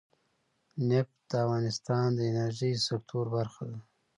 نفت د افغانستان د انرژۍ سکتور برخه ده.